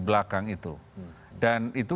belakang itu dan itu